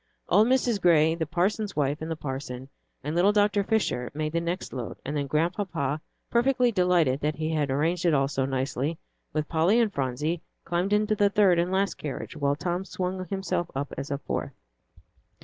Old Mrs. Gray, the parson's wife and the parson, and little Dr. Fisher made the next load, and then Grandpapa, perfectly delighted that he had arranged it all so nicely, with Polly and Phronsie, climbed into the third and last carriage, while Tom swung himself up as a fourth.